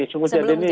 sebelum kejadian ini